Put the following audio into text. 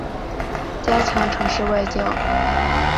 加强城市外交